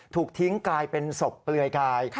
ถูกทิ้งกลายเป็นศพเปลือยกาย